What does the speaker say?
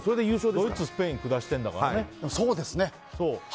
ドイツ、スペイン下してるんだから。